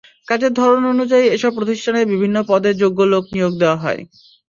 কাজের ধরন অনুযায়ী এসব প্রতিষ্ঠানে বিভিন্ন পদে যোগ্য লোক নিয়োগ দেওয়া হয়।